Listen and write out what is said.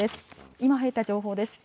今入った情報です。